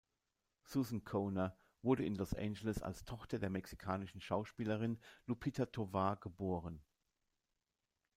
Susan Kohner wurde in Los Angeles als Tochter der mexikanischen Schauspielerin Lupita Tovar geboren.